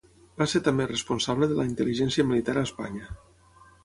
Va ser també responsable de la intel·ligència militar a Espanya.